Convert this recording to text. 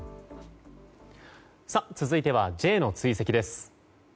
続いてはＪの追跡です。